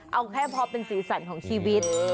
เอาแค่เพราะเป็นสิรษรของชีวิต